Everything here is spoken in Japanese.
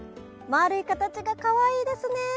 丸い形がかわいいですね。